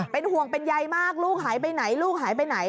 เป็นห่วงเป็นใยมากลูกหายไปไหนลูกหายไปไหน